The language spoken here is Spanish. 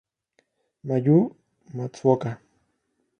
Mayu Matsuoka